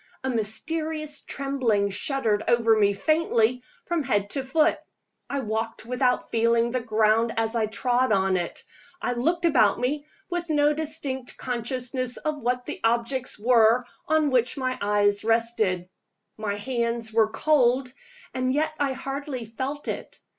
A mysterious trembling shuddered over me faintly from head to foot. I walked without feeling the ground as I trod on it; I looked about me with no distinct consciousness of what the objects were on which my eyes rested. My hands were cold and yet I hardly felt it.